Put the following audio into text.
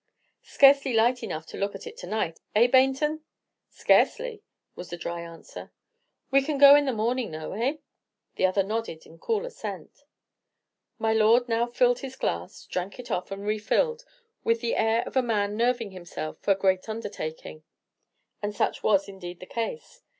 "Scarcely light enough to look at it to night, eh, Baynton?" "Scarcely!" was the dry answer. "We can go in the morning though, eh?" The other nodded a cool assent. My lord now filled his glass, drank it off, and refilled, with the air of a man nerving himself for a great undertaking, and such was indeed the case.